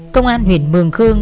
công an huyện mường khương